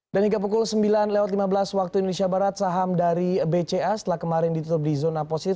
dan hingga pukul sembilan lima belas waktu indonesia barat saham dari bca setelah kemarin ditutup di zona positif